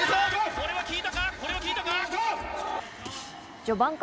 これは効いたか。